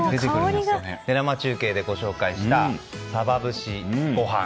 生中継でご紹介したサバ節ご飯。